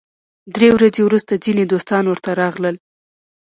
درې ورځې وروسته ځینې دوستان ورته راغلل.